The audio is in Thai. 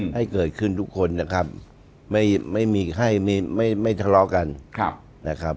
ให้เกิดขึ้นทุกคนนะครับไม่ใช่สามารถทะเลาะกัน